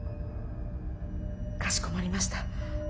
かしこまりました。